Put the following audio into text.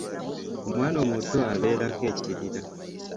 Omwana omuto abeerako ekirira.